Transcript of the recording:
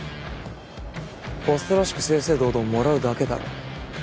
ホストらしく正々堂々もらうだけだろ。